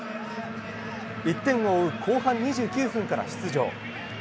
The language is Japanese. １点を追う後半２９分から出場。